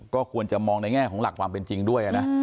ก็ควรจะมองในแง่ของหลักความเป็นจริงด้วยนะ